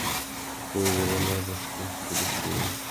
ফরিদা জানালার পাশ থেকে একটু দূরে সরে গেলেন।